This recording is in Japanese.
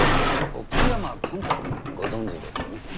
奥山幹太くんご存じですよね？